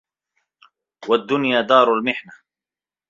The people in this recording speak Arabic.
وَالدُّنْيَا دَارُ الْمِحْنَةِ